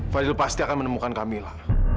fadil pasti akan menemukan camilla